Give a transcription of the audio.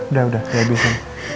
udah udah dihabisin